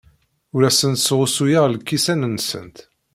Ur asent-sɣusuyeɣ lkisan-nsent.